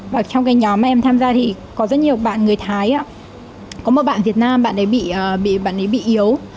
và trong cái nhóm mà em tham gia thì có rất nhiều bạn người thái có một bạn việt nam bạn ấy bị yếu